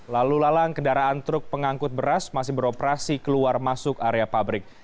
lalu lalang kendaraan truk pengangkut beras masih beroperasi keluar masuk area pabrik